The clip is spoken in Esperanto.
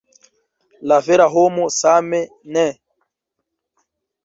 La vera homo same ne.